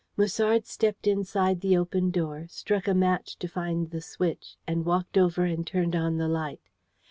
Musard stepped inside the open door, struck a match to find the switch, and walked over and turned on the light.